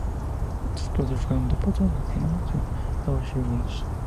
Sus padres fueron deportados y asesinados en Auschwitz.